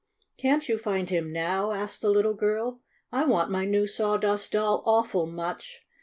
"Can't you find him now?" asked the little girl. "I want my new Sawdust Doll awful much!